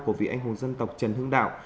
của vị anh hùng dân tộc trần hương đạo